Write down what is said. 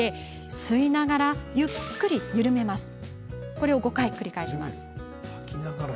これを５回繰り返します。